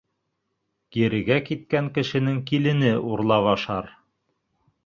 Кирегә киткән кешенең килене урлап ашар.